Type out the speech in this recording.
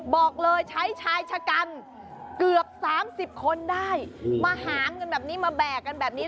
บอกเลยใช้ชายชะกันเกือบ๓๐คนได้มาหามกันแบบนี้มาแบกกันแบบนี้